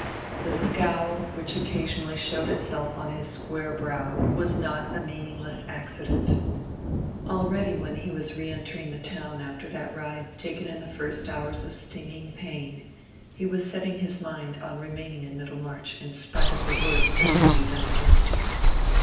The scowl which occasionally showed itself on his square brow was not a meaningless accident. Already when he was re entering the town after that ride taken in the first hours of stinging pain, he was setting his mind on remaining in Middlemarch in spite of the worst that could be done against him.